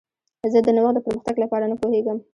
زه د نوښت د پرمختګ لپاره نه پوهیږم.